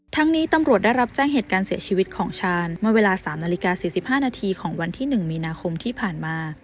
นี้ตำรวจได้รับแจ้งเหตุการณ์เสียชีวิตของชาญเมื่อเวลา๓นาฬิกา๔๕นาทีของวันที่๑มีนาคมที่ผ่านมา